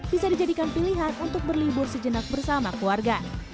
bisa dijadikan pilihan untuk berlibur sejenak bersama keluarga